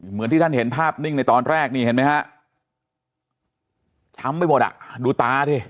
เหมือนที่ท่านเห็นภาพนิ่งในตอนแรกนี่เห็นไหมฮะช้ำไปหมดอ่ะดูตาดิ